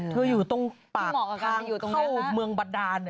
เธออยู่ตรงปากทางเข้าเมืองบัดดาลเนี่ย